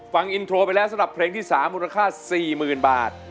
ฟังอินโทรไปแล้วสำหรับเพลงที่๓มูลค่า๔๐๐๐บาท